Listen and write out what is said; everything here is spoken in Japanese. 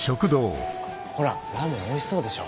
ほらラーメンおいしそうでしょ。